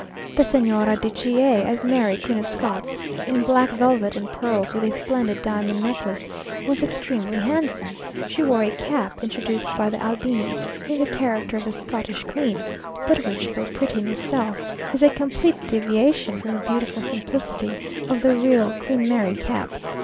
The Señora de G a, as Mary, Queen of Scots, in black velvet and pearls, with a splendid diamond necklace, was extremely handsome; she wore a cap, introduced by the Albini, in the character of the Scottish Queen, but which, though pretty in itself, is a complete deviation from the beautiful simplicity of the real Queen Mary cap.